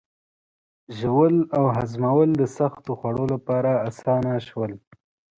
ژوول او هضمول د سختو خوړو لپاره آسانه شول.